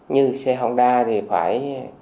như xe hồng đa thì phải